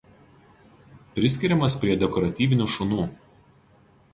Priskiriamas prie dekoratyvinių šunų.